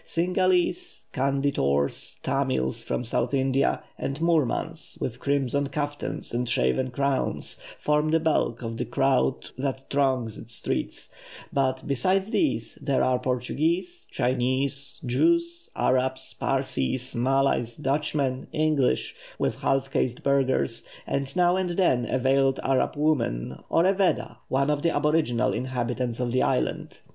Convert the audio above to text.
Cingalese, Kanditores, Tamils from South India, and Moormans, with crimson caftans and shaven crowns, form the bulk of the crowd that throng its streets; but, besides these, there are Portuguese, Chinese, Jews, Arabs, Parsees, Malays, Dutchmen, English, with half caste burghers, and now and then a veiled Arab woman, or a Veddah, one of the aboriginal inhabitants of the island.